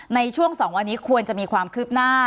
ในช่วง๒วันนี้ควรจะมีความคืบหน้า